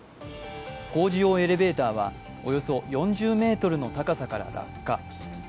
工事用エレベーターはおよそ４０ｍの高さから落下。